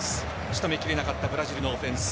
仕留めきれなかったブラジルのオフェンス。